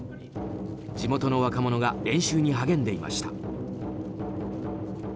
地元の若者が練習に励んでいました。